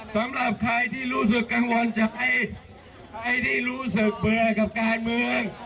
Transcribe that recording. สำหรับใครที่รู้สึกกังวลใจใครที่รู้สึกเบื่อกับการเมือง